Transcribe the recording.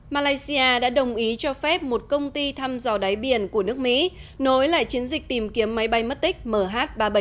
malaysia đã đồng ý cho phép một công ty thăm dò đáy biển của nước mỹ nối lại chiến dịch tìm kiếm máy bay mất tích mh ba trăm bảy mươi